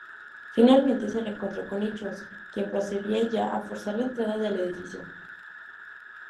Finalmente se reencontró con Nichols quien procedía ya a forzar la entrada del edificio.